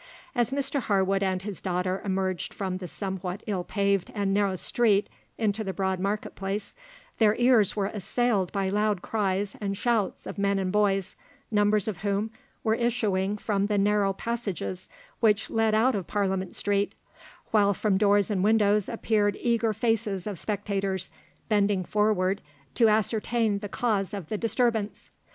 As Mr Harwood and his daughter emerged from the somewhat ill paved and narrow street into the broad market place, their ears were assailed by loud cries and shouts of men and boys, numbers of whom were issuing from the narrow passages which led out of Parliament Street, while from doors and windows appeared eager faces of spectators bending forward to ascertain the cause of the disturbance.